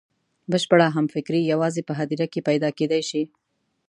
بشپړه همفکري یوازې په هدیره کې پیدا کېدای شي.